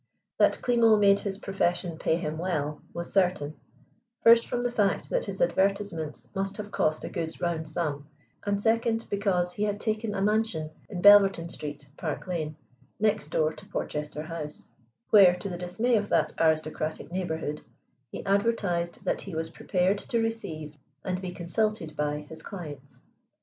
That Klimo made his profession pay him well was certain, first from the fact that his advertisements must have cost a good round sum, and, second, because he had taken a mansion in Belverton Street, Park Lane, next door to Porchester House, where to the dismay of that aristocratic neighborhood, he advertised that he was prepared to receive and be consulted by his clients.